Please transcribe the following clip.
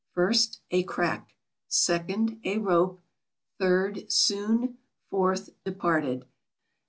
First, a crack. Second, a rope. Third, soon. Fourth, departed.